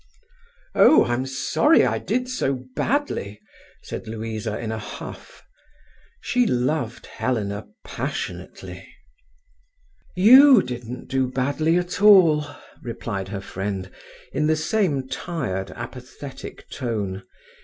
"Oh, I'm sorry I did so badly," said Louisa in a huff. She loved Helena passionately. "You didn't do badly at all," replied her friend, in the same tired, apathetic tone.